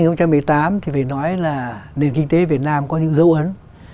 năm hai nghìn một mươi tám thì phải nói là nền kinh tế việt nam có những dấu ấn